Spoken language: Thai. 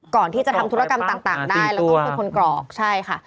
ก่อนที่จะทำธุรกรรมต่างได้แล้วก็เป็นคนกรอกใช่ค่ะ